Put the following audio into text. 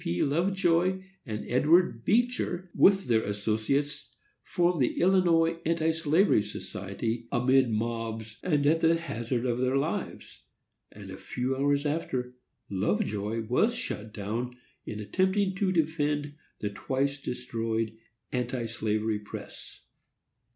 P. Lovejoy and Edward Beecher, with their associates, formed the Illinois Anti slavery Society, amid mobs and at the hazard of their lives; and, a few hours after, Lovejoy was shot down in attempting to defend the twice destroyed anti slavery press.